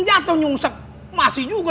jatuh nyungsek masih juga